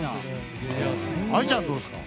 ＡＩちゃんはどうですか？